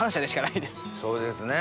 そうですね。